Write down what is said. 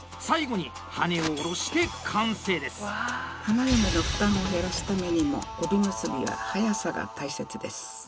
花嫁の負担を減らすためにも帯結びは「はやさ」が大切です！